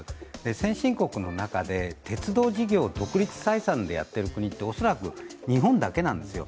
先進国の中で鉄道事業を独立採算でやっている国っておそらく日本だけなんですよ。